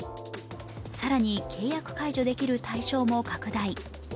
更に、契約解除できる対象も拡大。